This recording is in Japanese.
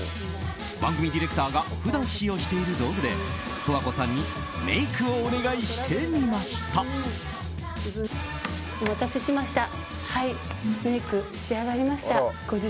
番組ディレクターが普段使用している道具で十和子さんにメイクをお願いしてみました。